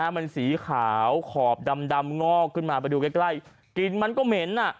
มันสีขาวขอบดำงอกขึ้นมาไปดูใกล้กลิ่นมันก็เหม็น